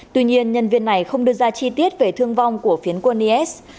tuy nhiên nhân viên này không đưa ra chi tiết về thương vong của phiến quân is